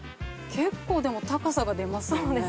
結構高さが出ますよね。